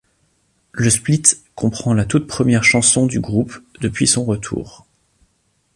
Le split comprend la toute première chanson du groupe depuis son retour.